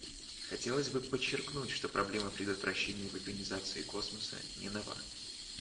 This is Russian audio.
Хотелось бы подчеркнуть, что проблема предотвращения вепонизации космоса не нова.